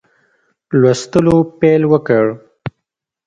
لوستلو پیل وکړ.